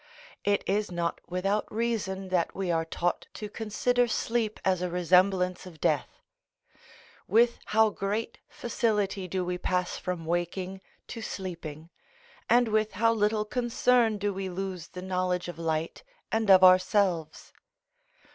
It is not without reason that we are taught to consider sleep as a resemblance of death: with how great facility do we pass from waking to sleeping, and with how little concern do we lose the knowledge of light and of ourselves.